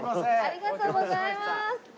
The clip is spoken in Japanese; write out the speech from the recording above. ありがとうございます！